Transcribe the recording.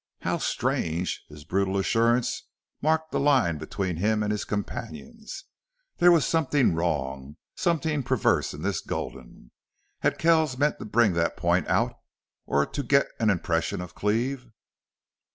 How strangely his brutal assurance marked a line between him and his companions! There was something wrong, something perverse in this Gulden. Had Kells meant to bring that point out or to get an impression of Cleve?